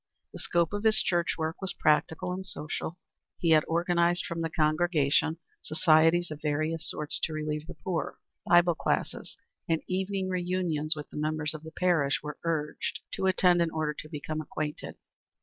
The scope of his church work was practical and social. He had organized from the congregation societies of various sorts to relieve the poor; Bible classes and evening reunions which the members of the parish were urged to attend in order to become acquainted.